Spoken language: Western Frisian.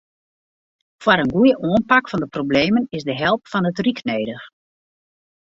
Foar in goeie oanpak fan de problemen is de help fan it ryk nedich.